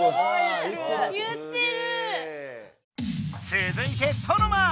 つづいてソノマ！